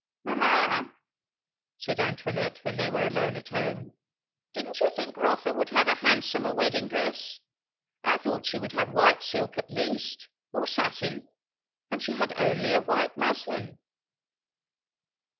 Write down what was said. "Mamma," said Antoinette when they were alone at home, "didn't you think Rotha would have a handsomer wedding dress? I thought she would have white silk at least, or satin; and she had only a white muslin!"